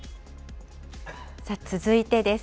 続いてです。